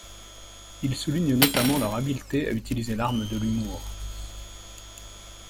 Il souligne notamment leur habileté à utiliser l'arme de l'humour.